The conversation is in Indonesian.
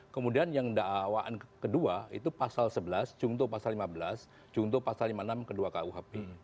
kemudian yang dakwaan kedua itu pasal sebelas cungtuh pasal lima belas jungto pasal lima puluh enam kedua kuhp